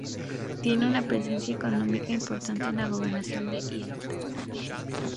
Tiene una presencia económica importante en la gobernación de Idlib.